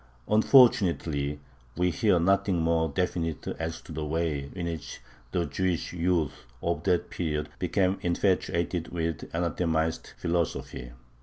Unfortunately we hear nothing more definite as to the way in which the Jewish youth of that period became infatuated with anathematized philosophy.